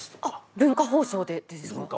文化放送でですか？